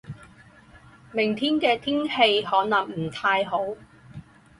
明天的天气可能不太好。